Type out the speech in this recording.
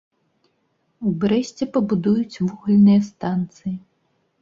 Брэсце пабудуюць вугальныя станцыі.